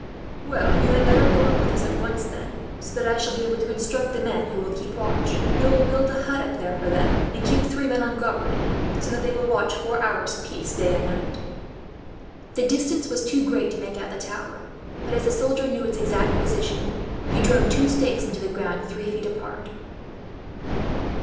"Well, you had better go up with us at once, then, so that I shall be able to instruct the men who will keep watch. We will build a hut up there for them, and keep three men on guard; so that they will watch four hours apiece, day and night." The distance was too great to make out the tower; but as the soldier knew its exact position, he drove two stakes into the ground, three feet apart.